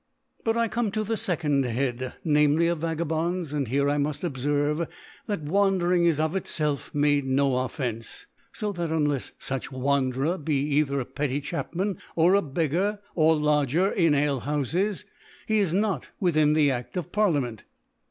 But I come to the fecond Head, namely^ of Vagabonds : And here I muft obferve, that TVandering is of itfcif made no Of fence : fo that unlefs fuch Wanderer be ci ther a petty Chapman, or a Beggar or Lodger in Alehoufes, £s?^, he is not with in the Aft of Parliament.